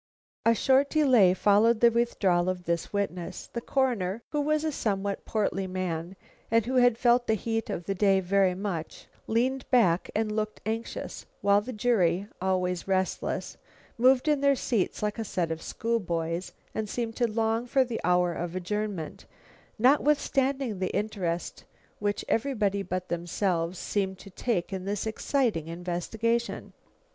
A short delay followed the withdrawal of this witness. The Coroner, who was a somewhat portly man, and who had felt the heat of the day very much, leaned back and looked anxious, while the jury, always restless, moved in their seats like a set of school boys, and seemed to long for the hour of adjournment, notwithstanding the interest which everybody but themselves seemed to take in this exciting investigation.